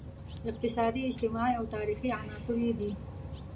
اقتصادي، اجتماعي او تاریخي عناصر یې دي.